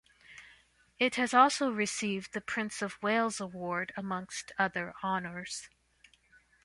It has also received the Prince of Wales Award, amongst other honours.